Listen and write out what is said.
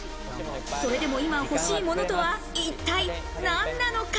それでも今欲しいものとは一体何なのか？